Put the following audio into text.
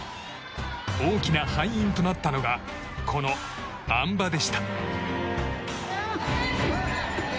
大きな敗因となったのがこのあん馬でした。